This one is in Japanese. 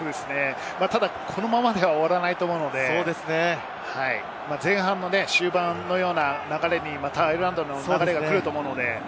ただ、このままでは終わらないと思うので、前半の終盤のような流れになったら、またアイルランドのプレーが来ると思うので。